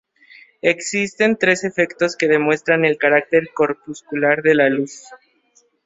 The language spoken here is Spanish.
Existen tres efectos que demuestran el carácter corpuscular de la luz.